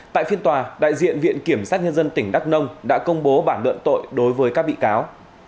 tại phiên tòa đại diện viện kiểm sát nhân dân tỉnh đắk nông đã công bố bản luận tội đối với các bị cáo